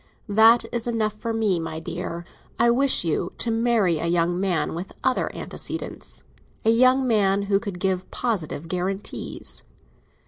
That is enough for me, my dear. I wish you to marry a young man with other antecedents—a young man who could give positive guarantees.